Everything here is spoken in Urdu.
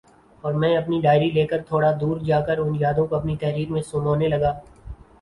اور میں اپنی ڈائری لے کر تھوڑا دور جا کر ان یادوں کو اپنی تحریر میں سمونے لگا